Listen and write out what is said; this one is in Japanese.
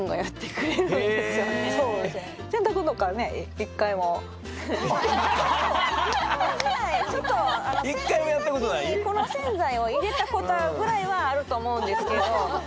洗濯機に粉洗剤を入れたことぐらいはあると思うんですけど。